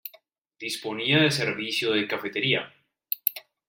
Disponía de servicio de cafetería.